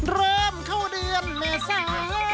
เริ่มเข้าเดือนเมื่อสาย